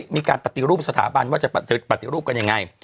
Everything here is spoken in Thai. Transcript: มีการปฏิรูปสถาบันว่าจะปฏิรูปกันยังไง